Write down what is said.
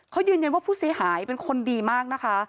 เขายืนยันว่าผู้เสียหายเป็นคนดีมากนะคะ